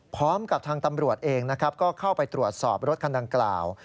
พร้อมกับทางตำรวจเองนะครับก็เข้าไปตรวจสอบรถคันดังกล่าว